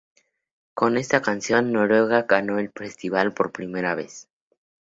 Con esta canción Noruega ganó el festival por primera vez.